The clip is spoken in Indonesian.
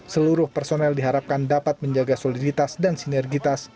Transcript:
seluruh personel diharapkan dapat menjaga soliditas dan sinergitas